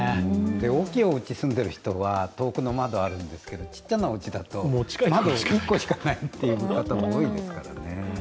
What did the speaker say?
大きいおうちに住んでいる人は、遠くの窓があるんですけど、小さなおうちだと、窓が１個しかないという方も多いですからね。